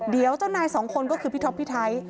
เดี๋ยวเจ้านายสองคนก็คือพี่ท็อปพี่ไทย